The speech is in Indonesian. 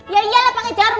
ya iyalah pake jarum